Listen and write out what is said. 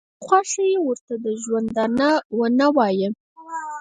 که دې خوښه ي ورته د ژوندانه ونه وایه.